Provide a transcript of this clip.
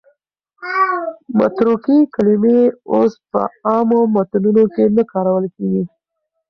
متروکې کلمې اوس په عامو متنونو کې نه کارول کېږي.